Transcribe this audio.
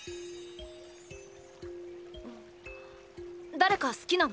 誰か好きなの？